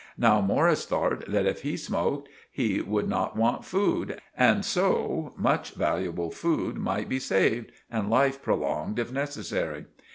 Now Morris thort that if he smoaked, he would not want food, and so much valuable food might be saved, and life prolonged if necessary.